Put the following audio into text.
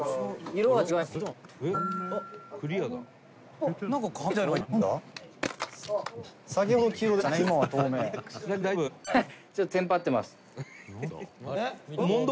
色が違いますけど。